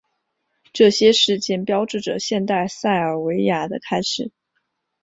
这些事件标志着现代塞尔维亚的开始。